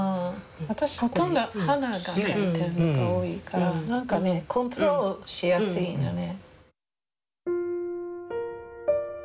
私ほとんど花を描いてるのが多いからコントロールしやすいのね。